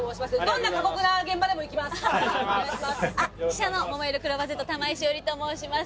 記者のももいろクローバーＺ玉井詩織と申します。